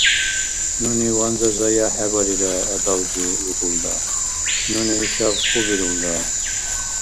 — Нуни ванза заяхӀебарира, адавзи, — викӀулра. — Нуни ишаб хъу бирулра.